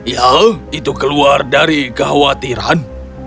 ya itu keluar dari kekhawatiran